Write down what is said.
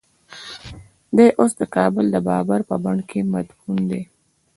دی اوس د کابل د بابر په بڼ کې مدفون دی.